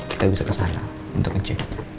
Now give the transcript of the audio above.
kita bisa kesana untuk ngecek